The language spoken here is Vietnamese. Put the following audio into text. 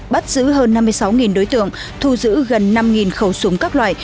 bắt giữ hơn năm mươi sáu đối tượng thu giữ gần năm khẩu súng các loại